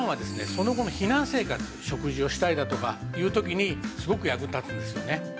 その後の避難生活食事をしたりだとかっていう時にすごく役に立つんですよね。